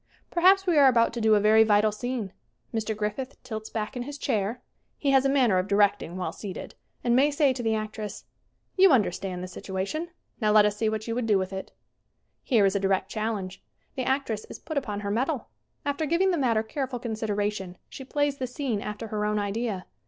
Perhaps we are about to do a very vital scene. Mr. Griffith tilts back in his chair he Mr. Griffith, at the left, directing a scene in "Intolerance." SCREEN ACTING 115 has a manner of directing while seated and may say to the actress : "You understand this situation. Now let us see what you would do with it." Here is a direct challenge. The actress is put upon her metal. After giving the matter careful consideration she plays the scene after her own idea.